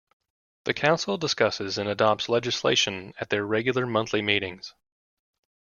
The Council discusses and adopts legislation at their regular monthly meetings.